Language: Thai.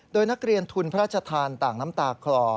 โดยนักเรียนทุนพระราชทานต่างน้ำตาคลอ